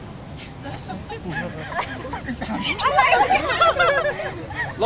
อะไรกันครับ